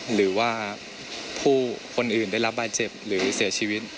หรือว่าผู้คนอื่นได้รับบาดเจ็บหรือเสียชีวิต